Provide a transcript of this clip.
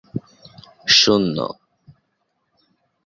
শূন্য